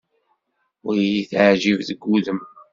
Ur iyi-teɛjib deg wudem.